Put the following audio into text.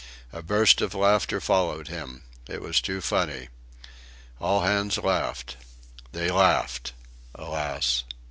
A burst of laughter followed him. It was too funny. All hands laughed.... They laughed!... Alas!